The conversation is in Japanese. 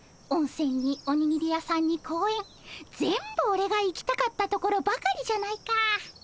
温泉におにぎり屋さんに公園全部おれが行きたかったところばかりじゃないか。